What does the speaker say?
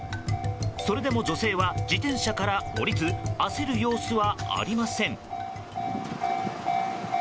それでも女性は自転車から降りず焦る様子はありません。